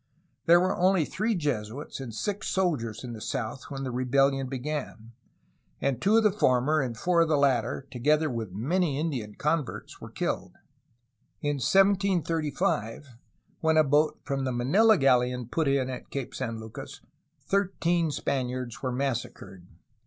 There were only three Jesuits and six soldiers in the south when the rebellion began, 180 A HISTORY OF CALIFORNIA and two of the former and four of the latter, together with many Indian converts, were killed. In 1735, when a boat from the Manila galleon put in at Cape San Lucas, thirteen Spaniards were massacred.